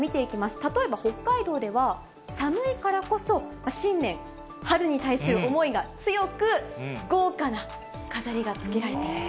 例えば北海道では、寒いからこそ、新年、春に対する思いが強く、豪華な飾りがつけられていると。